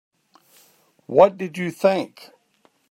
What did you think?